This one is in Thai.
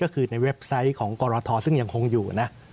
ก็คือในเว็บไซต์ของกรทซึ่งยังคงอยู่นะ